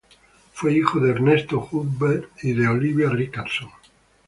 Fue hijo de Ernesto Hübner y de Olivia Richardson.